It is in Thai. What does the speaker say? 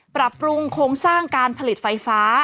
ปรับปรุงโครงสร้างการผลิตไฟฟ้า